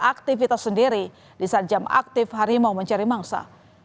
aktivitas sendiri di saat jam aktif harimau mencari mangsa